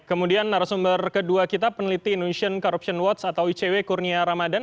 kemudian narasumber kedua kita peneliti indonesian corruption watch atau icw kurnia ramadan